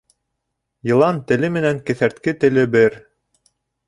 Йылан теле менән кеҫәртке теле бер.